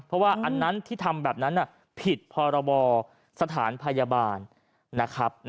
เพราะว่าอันนั้นที่ทำแบบนั้นผิดพรบสถานพยาบาลนะครับ